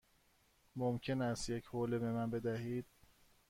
ممکن است یک حوله به من بدهید؟